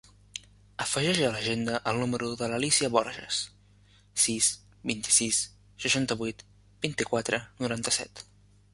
Afegeix a l'agenda el número de l'Alícia Borjas: sis, vint-i-sis, seixanta-vuit, vint-i-quatre, noranta-set.